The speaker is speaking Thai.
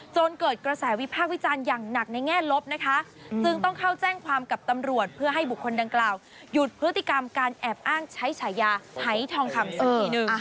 จนเกิดกระแสวิพากษ์วิจารณ์อย่างหนักในแง่ลบนะคะจึงต้องเข้าแจ้งความกับตำรวจเพื่อให้บุคคลดังกล่าวหยุดพฤติกรรมการแอบอ้างใช้ฉายาไฮทองคำสักทีนึง